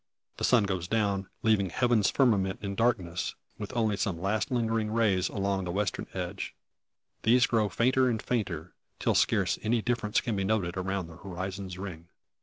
The sun goes down, leaving heaven's firmament in darkness, with only some last lingering rays along its western edge. These grow fainter and fainter, till scarce any difference can be noted around the horizon's ring.